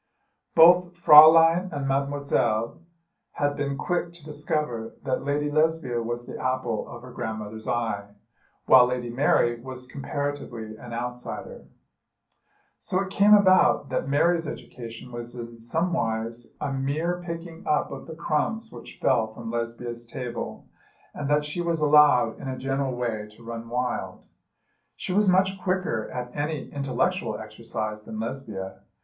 Both Fräulein and Mademoiselle had been quick to discover that Lady Lesbia was the apple of her grandmother's eye, while Lady Mary was comparatively an outsider. So it came about that Mary's education was in somewise a mere picking up of the crumbs which fell from Lesbia's table, and that she was allowed in a general way to run wild. She was much quicker at any intellectual exercise than Lesbia.